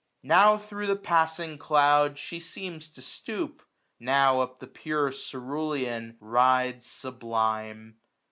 Now thro' the passing cloud she seems to stoop. Now up the pure cerulean rides sublime.